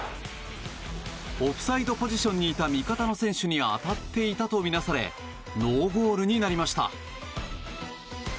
オフサイドポジションにいた味方の選手に当たっていたとみなされノーゴールになりました。